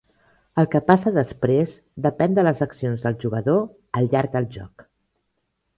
El que passa després depèn de les accions del jugador al llarg del joc.